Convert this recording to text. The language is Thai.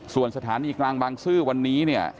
ส่วนสถานีกลางบางซื่อวันนี้เนี่ย